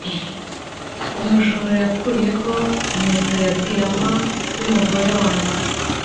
Umujura yakuyeho impeta ya diyama y'umugore wanjye.